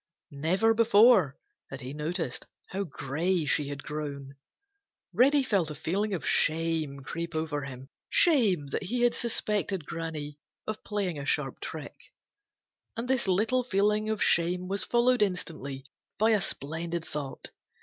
Never before had he noticed how gray she had grown. Reddy felt a feeling of shame creep over him,—shame that he had suspected Granny of playing a sharp trick. And this little feeling of shame was followed instantly by a splendid thought.